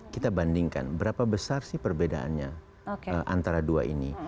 kita bandingkan berapa besar sih perbedaannya antara dua ini